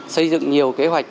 xây dựng nhiều kế hoạch